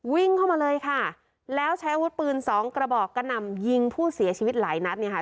วิ่งเข้ามาเลยค่ะแล้วใช้อาวุธปืนสองกระบอกกระหน่ำยิงผู้เสียชีวิตหลายนัดเนี่ยค่ะ